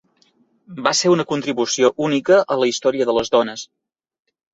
Va ser una contribució única a la història de les dones.